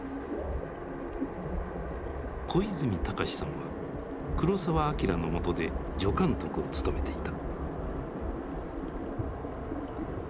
小泉堯史さんは黒澤明のもとで助監督を務めていた。